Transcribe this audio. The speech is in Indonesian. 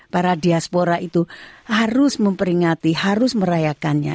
para diaspora itu harus memperingati harus merayakannya